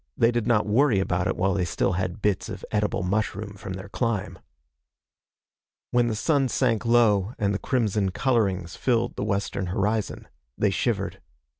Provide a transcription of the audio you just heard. They did not worry about it while they still had bits of edible mushroom from their climb. When the sun sank low and the crimson colorings filled the western horizon, they shivered.